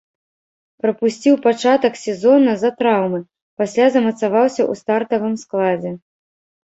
Прапусціў пачатак сезона з-за траўмы, пасля замацаваўся ў стартавым складзе.